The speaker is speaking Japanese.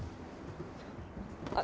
あっ。